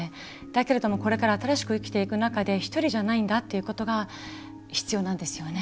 だけれども、新しく生きていく中で１人じゃないんだってことが必要なんですよね。